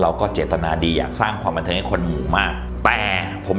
ว่าเจตนาดีอ่ะสร้างความบันเทิงให้คนหมู่มากแต่ผม